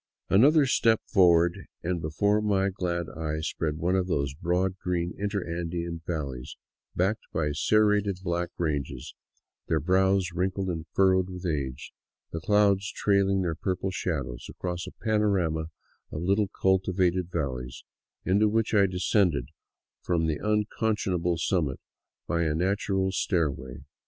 Another step forward, and before my glad eyes spread one of those broad, green interandean valleys, backed by serrated black ranges, their brows wrinkled and furrowed with age, the clouds trailing their purple shadows across a panorama of little cultivated valleys, into which I descended from the unconscionable summit by a natural stair way.